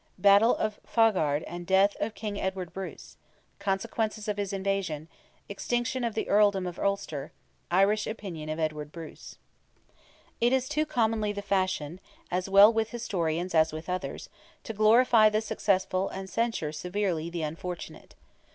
BATTLE OF FAUGHARD AND DEATH OF KING EDWARD BRUCE—CONSEQUENCES OF HIS INVASION—EXTINCTION OF THE EARLDOM OF ULSTER—IRISH OPINION OF EDWARD BRUCE. It is too commonly the fashion, as well with historians as with others, to glorify the successful and censure severely the unfortunate.